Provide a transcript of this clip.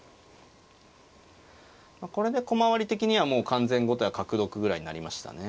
まあこれで駒割り的にはもう完全後手は角得ぐらいになりましたね。